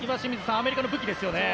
アメリカの武器ですよね。